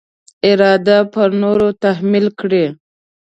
اراده پر نورو تحمیل کړي.